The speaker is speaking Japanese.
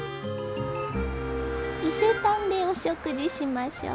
伊勢丹でお食事しましょう。